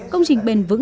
công trình bền vững